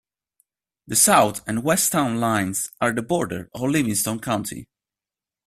The south and west town lines are the border of Livingston County.